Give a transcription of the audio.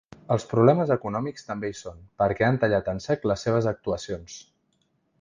Els problemes econòmics també hi són, perquè han tallat en sec les seves actuacions.